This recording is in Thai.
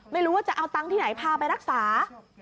ไม่รู้ว่าจะเอาตังค์ที่ไหนพาไปรักษา